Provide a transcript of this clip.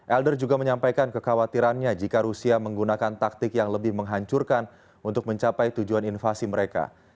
elder juga menyampaikan kekhawatirannya jika rusia menggunakan taktik yang lebih menghancurkan untuk mencapai tujuan invasi mereka